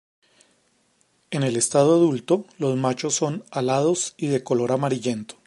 En el estado adulto, los machos son alados y de color amarillento.